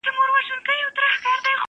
چي خداى ئې ورکوي، بټل ئې يار دئ.